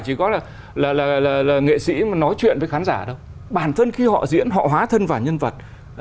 chỉ có là nghệ sĩ mà nói chuyện với khán giả đâu bản thân khi họ diễn họ hóa thân và nhân vật